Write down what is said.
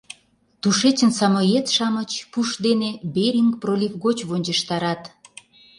Тушечын самоед-шамыч пуш дене Беринг пролив гоч вончыштарат...